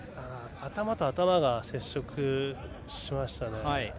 頭と頭が接触しましたね。